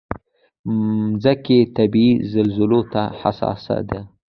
مځکه طبعي زلزلو ته حساسه ده.